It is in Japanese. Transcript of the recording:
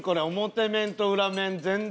表面と裏面全然。